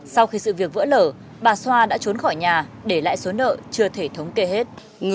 sau khi sự việc vỡ lở bà xoa đã trốn khỏi nhà để lại số nợ chưa thể thống kê hết